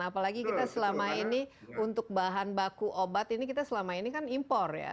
apalagi kita selama ini untuk bahan baku obat ini kita selama ini kan impor ya